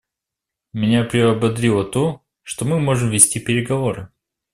Меня приободрило то, что мы можем вести переговоры.